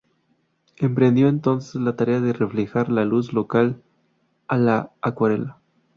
Emprendió entonces la tarea de reflejar la luz local a la acuarela.